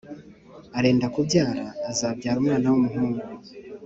arenda kubyara azabyara umwana wumuhungu